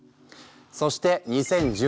そして２０１０年。